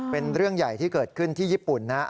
เป็นเรื่องใหญ่ที่เกิดขึ้นที่ญี่ปุ่นนะ